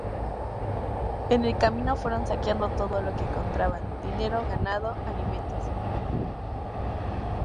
En el camino fueron saqueando todo lo que encontraban: dinero, ganado, alimentos.